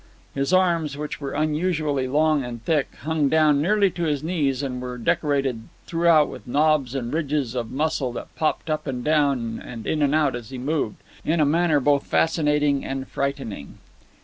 His arms, which were unusually long and thick, hung down nearly to his knees and were decorated throughout with knobs and ridges of muscle that popped up and down and in and out as he moved, in a manner both fascinating and frightening.